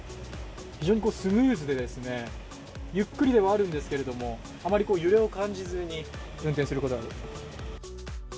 非常にスムーズで、ゆっくりではあるんですけれどもあまり揺れを感じずに運転することができます。